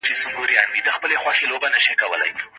لطفا د غونډي په منځ کي له بېځايه خبرو څخه ډډه وکړئ.